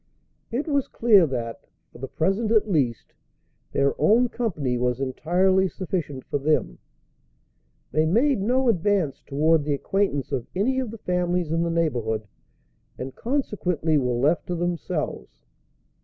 It was clear that, for the present at least, their own company was entirely sufficient for them. They made no advance toward the acquaintance of any of the families in the neighborhood, and consequently were left to themselves.